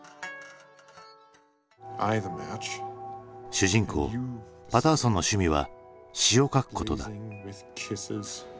主人公パターソンの趣味は詩を書くことだ。